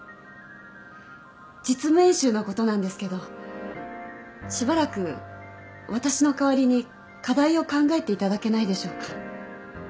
実務演習のことなんですけどしばらく私の代わりに課題を考えていただけないでしょうか。